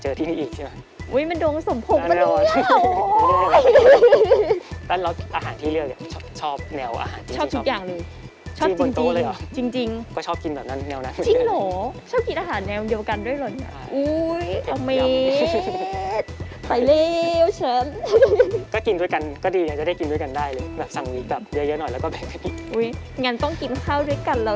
จริงเหรอชอบกินอาหารแนวเหนือกันด้วยหรอ